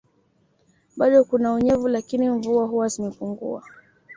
Bado kuna unyevu lakini mvua huwa zimepunguwa